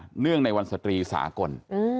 วันนี้หนึ่งในวันศตรีสากล